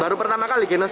baru pertama kali ginos